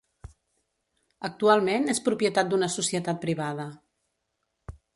Actualment és propietat d'una societat privada.